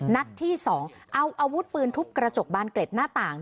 นัดที่๒เอาอาวุธปืนทุบกระจกบานเกล็ดหน้าต่าง